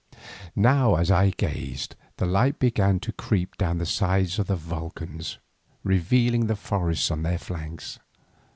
Now as I gazed the light began to creep down the sides of the volcans, revealing the forests on their flanks.